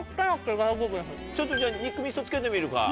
ちょっとじゃあ肉みそつけてみるか。